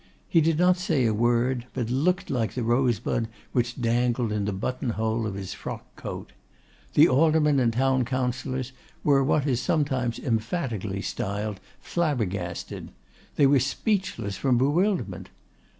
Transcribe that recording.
He did not say a word, but looked like the rosebud which dangled in the button hole of his frock coat. The aldermen and town councillors were what is sometimes emphatically styled flabbergasted; they were speechless from bewilderment.